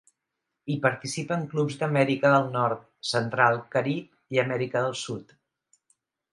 Hi participen clubs d'Amèrica del Nord, Central, Carib i Amèrica del Sud.